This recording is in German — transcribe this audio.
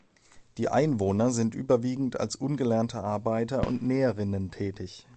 Die Einwohner sind überwiegend als ungelernte Arbeiter und Näherinnen tätig.